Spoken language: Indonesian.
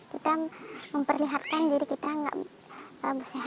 kita memperlihatkan diri kita tidak sehat sehat saja